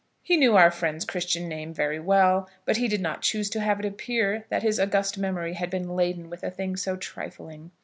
He knew our friend's Christian name very well, but he did not choose to have it appear that his august memory had been laden with a thing so trifling.